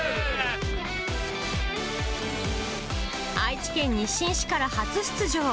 愛知県日進市から初出場。